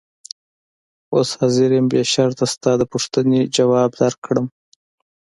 اوس حاضر یم بې شرطه ستا د پوښتنې ځواب درکړم.